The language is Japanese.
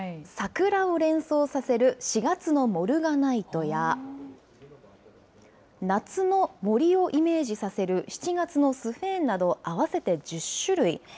桜を連想させる４月のモルガナイトや、夏の森をイメージさせる７月のスフェーンなど、合わせて１０種類。